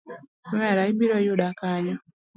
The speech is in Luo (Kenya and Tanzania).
Omera ibiro yuda kanyo.